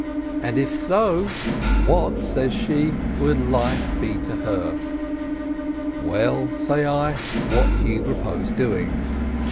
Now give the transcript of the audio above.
And if so, what, says she, would life he to her? "Well," say I, "what do you propose doing?"